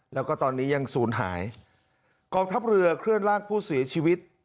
แล้วก็ตอนนี้ยังศูนย์หายกองทัพเรือเคลื่อนร่างผู้เสียชีวิต